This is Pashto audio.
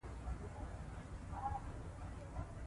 ځوانان د مرستې غوښتنه د ځواک نښه وګڼي.